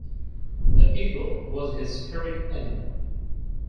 The Eagle was his spirit animal.